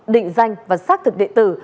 định danh và xác thực địa tử